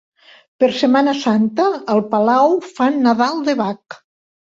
Per Setmana Santa, al Palau fan Nadal de Bach.